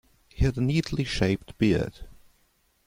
He had a neatly shaped beard.